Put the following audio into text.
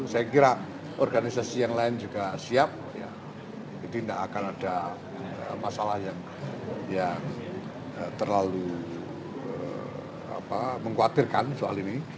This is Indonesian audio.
saya kira organisasi yang lain juga siap jadi tidak akan ada masalah yang terlalu mengkhawatirkan soal ini